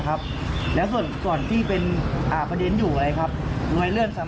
นะครับแล้วส่วนตอนที่เป็นอ่าตัดอาจารย์มาอยู่ตัดมัยครับ